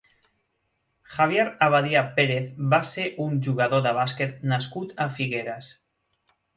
Javier Abadia Pérez va ser un jugador de bàsquet nascut a Figueres.